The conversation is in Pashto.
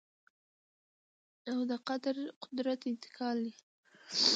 او د قدرت انتقال یې